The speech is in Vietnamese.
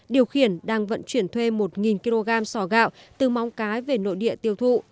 điều khiển đang vận chuyển thuê một kg sò gạo từ móng cái về nội địa tiêu thụ